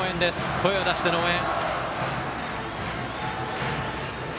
声を出しての応援。